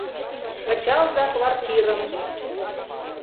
— Кычалза квартирым!